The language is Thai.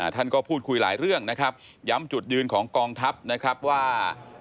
ท่านก็พูดคุยหลายเรื่องนะครับย้ำจุดยืนของกองทัพนะครับว่า